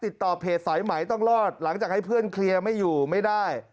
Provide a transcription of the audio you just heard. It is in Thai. ติดต่อเพจสายไหมต้องรอดหลังจากให้เพื่อนเคลียร์ไม่อยู่ไม่ได้